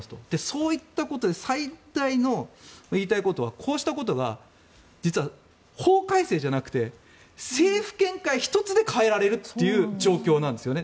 そういったことで最大の言いたいことはこうしたことが実は法改正じゃなくて政府見解１つで変えられるという状況なんですよね。